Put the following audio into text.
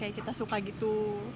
kayak kita suka gitu